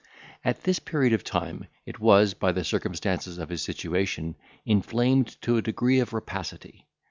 At this period of time it was, by the circumstances of his situation, inflamed to a degree of rapacity.